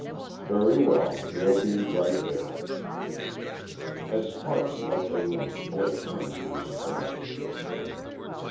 "Very well. We'll be right there." As Parks left the room, Blake turned to his friend.